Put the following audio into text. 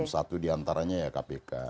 satu diantaranya ya kpk